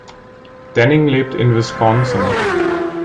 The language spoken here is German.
Denning lebt in Wisconsin.